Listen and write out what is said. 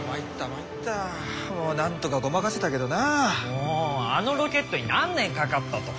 もうあのロケットに何年かかったと。